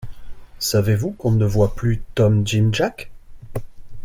Savez-vous qu’on ne voit plus Tom-Jim-Jack ?